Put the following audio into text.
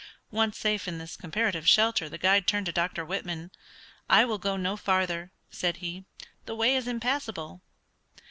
Once safe in this comparative shelter the guide turned to Dr. Whitman. "I will go no farther," said he; "the way is impassable."